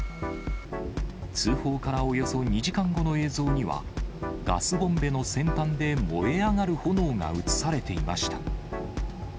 通報からおよそ２時間後の映像には、ガスボンベの先端で燃え上がる炎が写されていました。